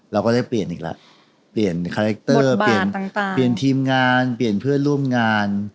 เราก็ได้เปลี่ยนอีกแล้วเปลี่ยนคาแรคเตอร์เปลี่ยนเปลี่ยนทีมงานเปลี่ยนเพื่อนร่วมงาน